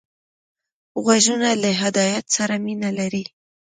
غوږونه له هدایت سره مینه لري